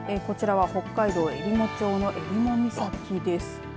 こちらは北海道えりも町の襟裳岬です。